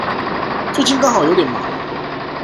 最近剛好有點忙